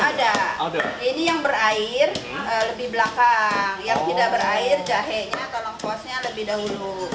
ada ini yang berair lebih belakang yang tidak berair jahenya atau longkosnya lebih dahulu